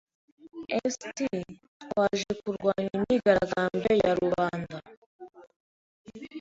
[S] T Twaje kurwanya imyigaragambyo ya rubanda.